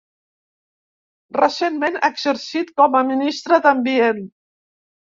Recentment ha exercit com a Ministra d'Ambient.